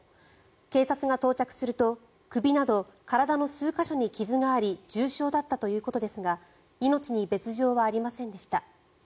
警察が到着すると首など体の数か所に傷があり重傷だったということですが命に別条はありませんでした。